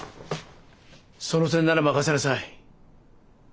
その点なら任せなさい。